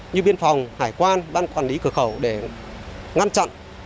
như biên phòng hải quan ban quản lý cửa khẩu để ngăn chặn